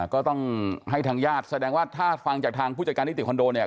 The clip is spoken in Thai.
ก็ต้องให้ทางญาติแสดงว่าถ้าฟังจากทางผู้จัดการนิติคอนโดเนี่ย